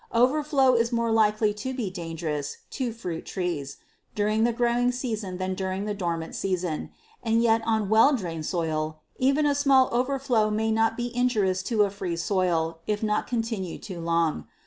Overflow is more likely to be dangerous to fruit trees during the growing season than during the dormant season, and yet on well drained soil even a small overflow may not be injurious on a free soil, if not continued too long.